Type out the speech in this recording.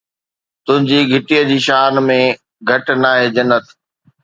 تنهنجي گهٽيءَ جي شان ۾ گهٽ ناهي، جنت